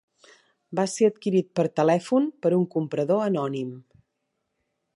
Va ser adquirit per telèfon per un comprador anònim.